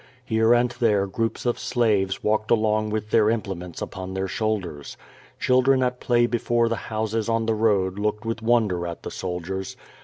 Here and there groups of slaves walked along with their implements upon their shoul ders. Cliildren at play before the houses on the road looke<l with wonder at the soldiers.